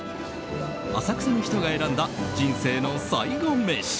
浅草の人が選んだ人生の最後メシ。